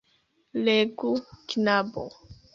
Legu, knabo.